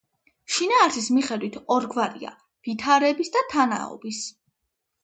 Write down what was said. შინაარსის მიხედვით ორგვარია: ვითარების და თანაობის.